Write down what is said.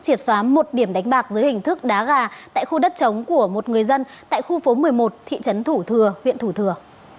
triệt xóa một điểm đánh bạc dưới hình thức đá gà tại khu đất chống của một người dân tại khu phố một mươi một thị trấn thủ thừa huyện thủ thừa